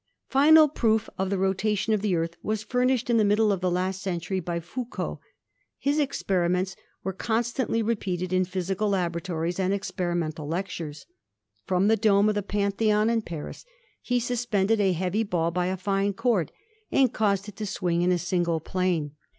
Final proof of the rotation of the Earth was fur nished in the middle of the last century by Foucault. His experiments are constantly repeated in physical labora tories and experimental lectures. From the dome of the Pantheon in Paris he suspended a heavy ball by a fine cord and caused it to swing in a single plane.